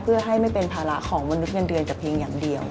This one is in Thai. เพื่อให้ไม่เป็นภาระของมนุษย์เงินเดือนแต่เพียงอย่างเดียว